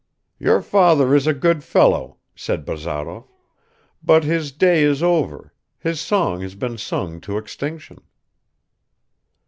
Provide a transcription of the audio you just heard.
"Your father is a good fellow," said Bazarov, "but his day is over; his song has been sung to extinction."